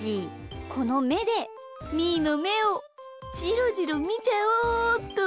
このめでみーのめをじろじろみちゃおうっと。